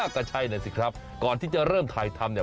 ก็ใช่หน่อยสิครับก่อนที่จะเริ่มถ่ายทำ